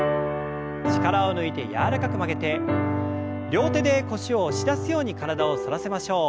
力を抜いて柔らかく曲げて両手で腰を押し出すように体を反らせましょう。